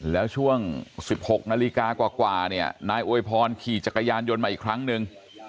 แล้วช่วง๑๖นาฬิกากว่าเนี่ยนายอวยพรขี่จักรยานยนต์มาอีกครั้งหนึ่ง